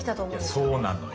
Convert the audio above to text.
そうなのよ。